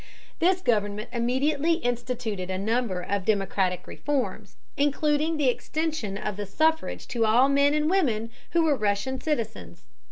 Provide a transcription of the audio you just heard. This government immediately instituted a number of democratic reforms, including the extension of the suffrage to all men and women who were Russian citizens.